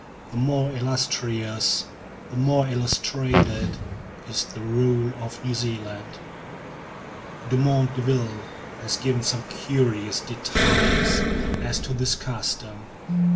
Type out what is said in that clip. The more illustrious, the more illustrated, is the rule of New Zealand. Dumont D'Urville has given some curious details as to this custom.